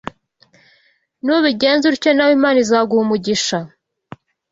Nubigenza utyo nawe Imana izaguha umugisha